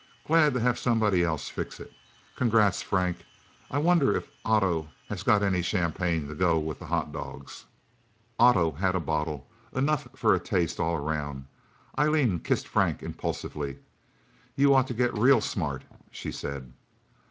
"Glad to have somebody else fix it. Congrats, Frank. I wonder if Otto has got any champagne to go with the hotdogs...?" Otto had a bottle enough for a taste, all around. Eileen kissed Frank impulsively. "You ought to get real smart," she said.